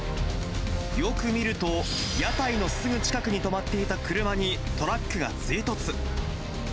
よく見ると、屋台のすぐ近くに止まっていた車にトラックが追突。